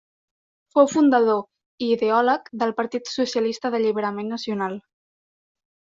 Fou fundador i ideòleg del Partit Socialista d'Alliberament Nacional.